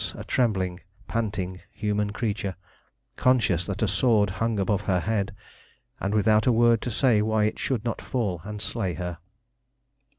a trembling, panting human creature, conscious that a sword hung above her head, and without a word to say why it should not fall and slay her.